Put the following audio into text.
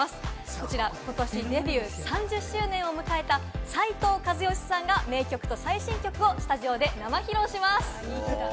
こちら、今年デビュー３０周年を迎えた斉藤和義さんが名曲と最新曲をスタジオで生披露します。